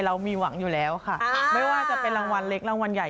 ยินดีกับผู้โชคดีด้วยนะคะขอบคุณมากครับ